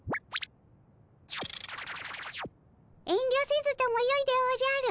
遠慮せずともよいでおじゃる。